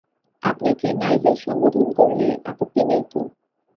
আপনাকে নাইজেল সম্বোধন করলে আপত্তি নেই তো?